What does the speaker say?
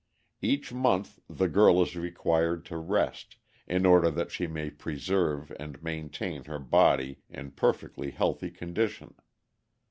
Each month the girl is required to rest, in order that she may preserve and maintain her body in perfectly healthy condition.